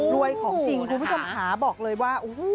ของจริงคุณผู้ชมขาบอกเลยว่า